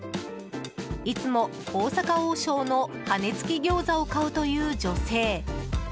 いつも大阪王将の羽根つき餃子を買うという女性。